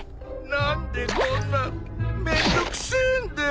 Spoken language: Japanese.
何でこんなめんどくせえんだ。